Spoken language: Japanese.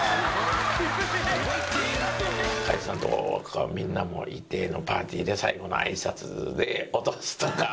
加地さんとかみんなもいてのパーティーで最後のあいさつで落とすとか。